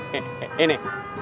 eh eh ini